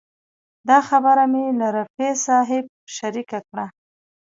دا خبره مې له رفیع صاحب شریکه کړه.